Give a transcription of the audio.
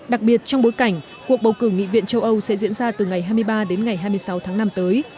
đặc biệt trong bối cảnh cuộc bầu cử nghị viện châu âu sẽ diễn ra từ ngày hai mươi ba đến ngày hai mươi sáu tháng năm tới